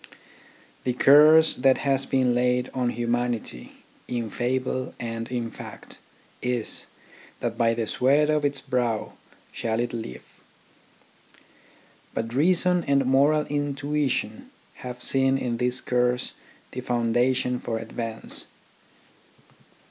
The curse that has been laid on humanity, in fable and in fact, is, that by the sweat of its brow shall it live. But reason and moral intui tion have seen in this curse the foundation for advance.